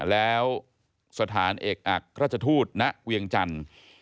แล้วสถานเอกอักราชทูตณเวียงจันทร์